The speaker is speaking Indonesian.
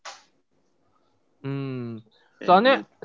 soalnya gue sebelum ngeliat instagram si william